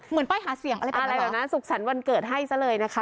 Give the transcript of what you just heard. ป้ายหาเสียงอะไรเป็นอะไรแบบนั้นสุขสรรค์วันเกิดให้ซะเลยนะคะ